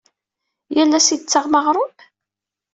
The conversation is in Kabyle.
Yal ass i d-tettaɣem aɣrum?